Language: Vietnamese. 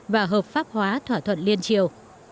và hợp pháp hóa thỏa thuận liên triều